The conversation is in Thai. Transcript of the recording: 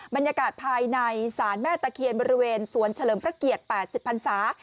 บรรยากาศภายในศาลแม่ตะเคียนบริเวณสวนเฉลิมพระเกียรติ๘๐พันศา